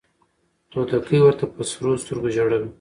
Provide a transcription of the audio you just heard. توتکۍ ورته په سرو سترګو ژړله